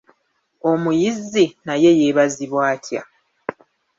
Omuyizzi naye yeebazibwa atya?